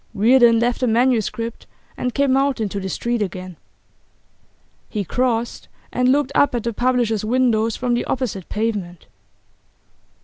Reardon left the manuscript, and came out into the street again. He crossed, and looked up at the publishers' windows from the opposite pavement.